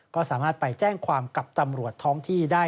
ก็สามารถไปแจ้งความกับตำรวจท้องที่ได้